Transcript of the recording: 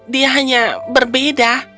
dia hanya berbeda